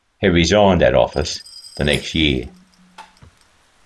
He resigned that office the next year.